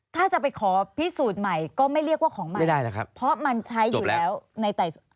ถ้าจะไปขอพิสูจน์ใหม่ก็ไม่เรียกว่าของใหม่เพราะมันใช้อยู่แล้วไม่ได้แล้วครับจบแล้ว